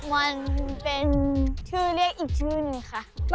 วันเป็นชื่อเรียกอีกชื่อนึงค่ะ